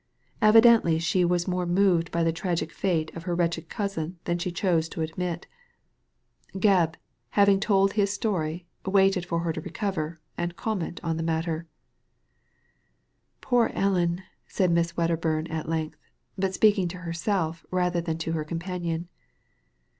Evidently she was more moved by the tragic fate of her wretched cousin than she chose to admit 98 Digitized by Google STRANGE BEHAVIOUR 99 Gcbb having told his story, waited for her to recover, and comment on the matter. " Poor Ellen !" said Miss Wedderbum at length, but speaking to herself rather than to her companion.